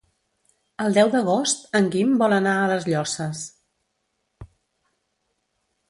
El deu d'agost en Guim vol anar a les Llosses.